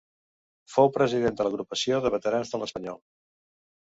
Fou president de l'Agrupació de Veterans de l'Espanyol.